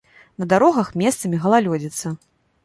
На дарогах месцамі галалёдзіца.